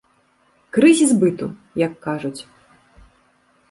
Крызіс быту, як кажуць.